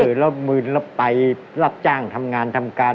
แล้วมืนแล้วไปรับจ้างทำงานทำการ